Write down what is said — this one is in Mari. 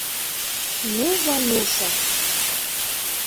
Ну, Ванюша!